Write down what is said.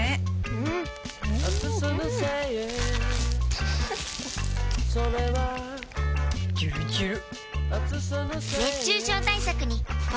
うんデュルデュル